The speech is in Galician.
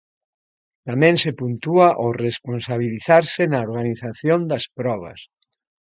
Tamén se puntúa o responsabilizarse na organización das probas.